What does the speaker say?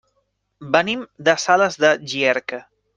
Venim de Sales de Llierca.